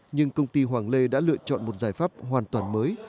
nhưng công ty hoàng lê đã lựa chọn một giải pháp hoàn toàn mới